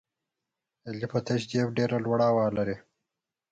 علي په تش جېب باندې ډېره لویه هوا لري.